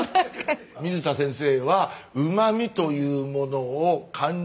水田先生はうまみというものを感じる